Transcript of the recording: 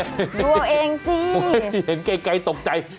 หนูเอาเองสิเห็นไกลตกใจ